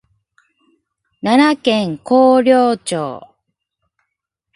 奈良県広陵町